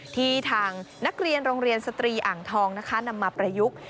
ที่ทางนักเรียนโรงเรียนสตรีอ่างทองนะคะนำมาประยุกต์